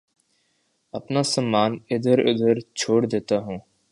اپنا سامان ادھر ادھر چھوڑ دیتا ہوں